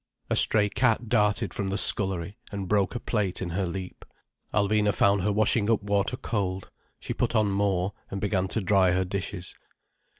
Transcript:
A stray cat darted from the scullery, and broke a plate in her leap. Alvina found her washing up water cold. She put on more, and began to dry her dishes.